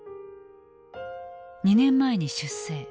２年前に出征。